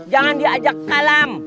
jangan diajak kalam